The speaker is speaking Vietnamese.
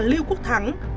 lưu quốc thắng